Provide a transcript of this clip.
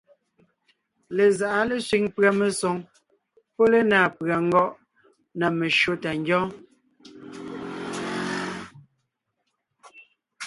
Lezáʼa lésẅiŋ pʉ̀a mesoŋ pɔ́ lenǎ pʉ̀a ngɔ́ʼ na meshÿó tà ńgyɔ́ɔn.